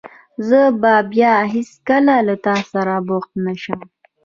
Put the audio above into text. زه به بیا هېڅکله له تاسره بوخت نه شم.